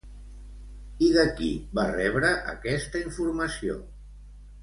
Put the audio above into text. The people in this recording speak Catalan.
I de qui va rebre aquesta informació?